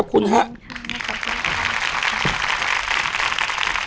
ขอบคุณครับ